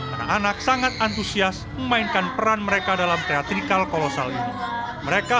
anak anak sangat antusias memainkan peran mereka dalam teatrikal kolosal ini mereka